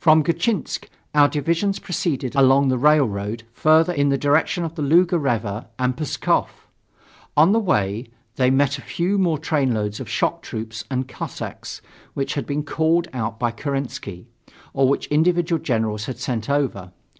From Gatchinsk, our divisions proceeded along the railroad further in the direction of the Luga River and Pskov. On the way, they met a few more trainloads of shock troops and Cossacks, which had been called out by Kerensky, or which individual generals had sent over.